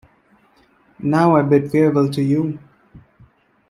Now I bid farewell to you.